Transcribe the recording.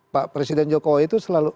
pak presiden jokowi itu selalu